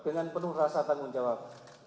dengan penuh rasa tanggung jawab